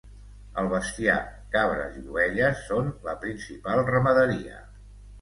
El bestiar, cabres i ovelles són la principal ramaderia.